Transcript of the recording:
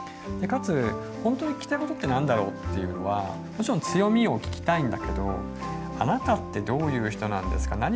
でかつ本当に聞きたいことって何だろうっていうのはもちろん強みを聞きたいんだけどあなたってどういう人なんですか？